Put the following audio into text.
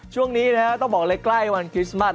ช่วงนี้นะครับต้องบอกอะไรใกล้วันคริสต์มัตต์